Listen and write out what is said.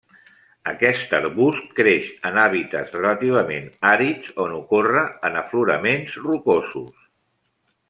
Aquest arbust creix en hàbitats relativament àrids on ocorre en afloraments rocosos.